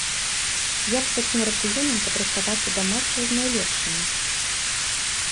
Як з такім рацыёнам падрыхтавацца да матчаў з найлепшымі?